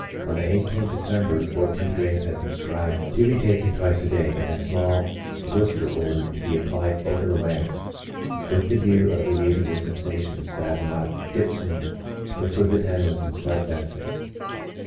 On the i8th December, fourteen grains had been prescribed to be taken twice a day, and a small blister ordered to be applied over the larynx, with the view of relieving the sensation of spasmodic dyspnoea ; this was attended with some slight benefit.